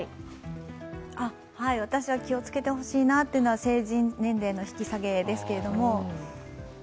私は気をつけてほしいなというのは成人年齢の引き下げですけど。